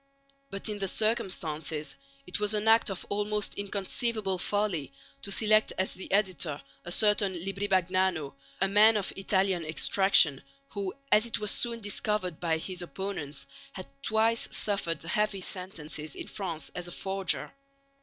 But in the circumstances it was an act of almost inconceivable folly to select as the editor a certain Libri Bagnano, a man of Italian extraction, who, as it was soon discovered by his opponents, had twice suffered heavy sentences in France as a forger.